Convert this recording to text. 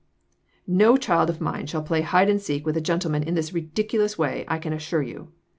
"No child of mine shall play hide and seek with a gentleman in this ridiculous way, I can assure you.